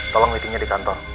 tolong meetingnya di kantor